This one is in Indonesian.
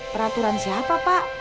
peraturan siapa pak